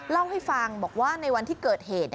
เล่าให้ฟังบอกว่าในวันที่เกิดเหตุ